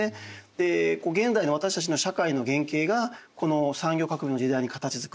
で現代の私たちの社会の原型がこの産業革命の時代に形づくられたと。